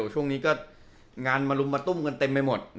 ช่วงนี้ก็งานมาลุมมาตุ้มกันเต็มไปหมด